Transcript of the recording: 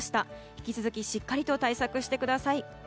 引き続きしっかりと対策してください。